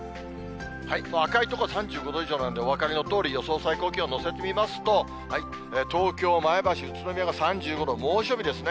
赤い所、３５度以上なんで、お分かりのとおり、予想最高気温載せてみますと、東京、前橋、宇都宮が３５度、猛暑日ですね。